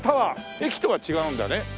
駅とは違うんだね。